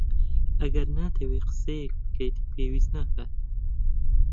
ئەگەر ناتەوێت قسەیەک بکەیت، پێویست ناکات.